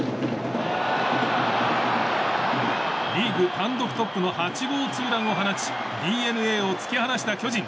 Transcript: リーグ単独トップの８号ツーランを放ちＤｅＮＡを突き放した巨人。